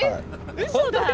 うそだ。